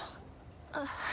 あっ。